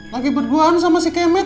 lagi berduaan sama si kemit